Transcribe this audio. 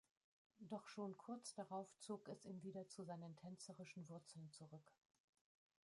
Doch schon kurz darauf zog es ihn wieder zu seinen tänzerischen Wurzeln zurück.